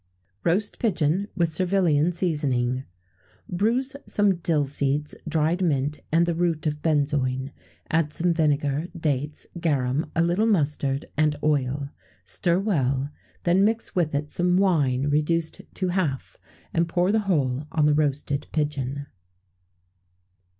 [XVII 96] Roast Pigeon, with Servilian Seasoning. Bruise some dill seeds, dried mint, and the root of benzoin; add some vinegar, dates, garum, a little mustard, and oil; stir well; then mix with it some wine reduced to half, and pour the whole on the roasted pigeon.